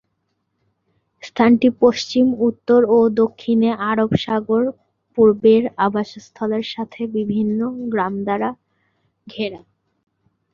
স্থানটি পশ্চিম, উত্তর ও দক্ষিণে আরব সাগর, পূর্বের আবাসস্থলের সাথে বিভিন্ন গ্রাম দ্বারা ঘেরা।